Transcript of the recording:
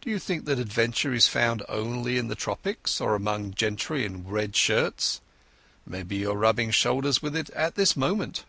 D'you think that adventure is found only in the tropics or among gentry in red shirts? Maybe you're rubbing shoulders with it at this moment."